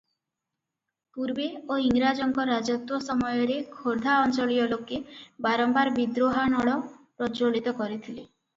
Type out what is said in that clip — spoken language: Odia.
ପୂର୍ବେ ଓ ଇଂରାଜଙ୍କ ରାଜତ୍ୱ ସମୟରେ ଖୋର୍ଦା ଅଞ୍ଚଳୀୟ ଲୋକେ ବାରମ୍ୱାର ବିଦ୍ରୋହାନଳ ପ୍ରଜ୍ଜ୍ୱଳିତ କରିଥିଲେ ।